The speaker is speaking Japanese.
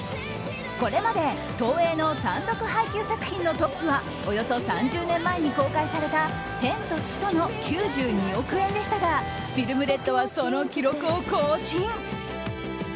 これまで東映の単独配給作品のトップはおよそ３０年前に公開された「天と地と」の９２億円でしたが「ＦＩＬＭＲＥＤ」はその記録を更新。